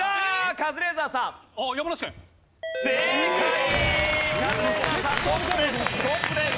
カズレーザーさんトップです